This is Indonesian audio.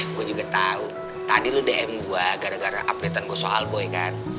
eh gue juga tau tadi lo dm gue gara gara update an gue soal boy kan